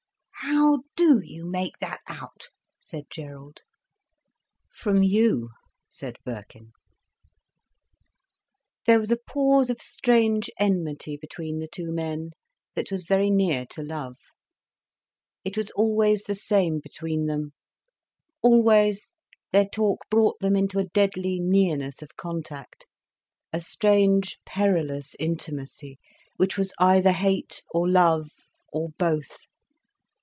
"How do you make that out?" said Gerald. "From you," said Birkin. There was a pause of strange enmity between the two men, that was very near to love. It was always the same between them; always their talk brought them into a deadly nearness of contact, a strange, perilous intimacy which was either hate or love, or both.